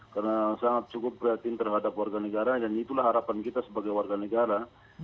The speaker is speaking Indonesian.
karena sangat cukup berhatiin terhadap warga negara dan itulah harapan kita sebagai warga negara